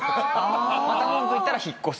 また文句言ったら引っ越す。